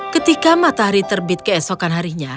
ketika matahari terbit keesokan harinya